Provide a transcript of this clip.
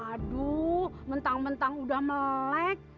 aduh mentang mentang udah melek